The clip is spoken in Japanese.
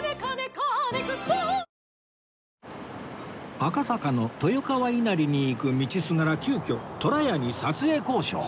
赤坂の豊川稲荷に行く道すがら急きょとらやに撮影交渉